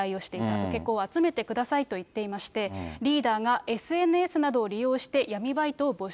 受け子を集めてくださいと言っていまして、リーダーがＳＮＳなどを利用して闇バイトを募集。